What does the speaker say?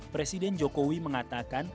presiden jokowi mengatakan